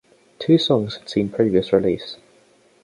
Two songs had seen previous release.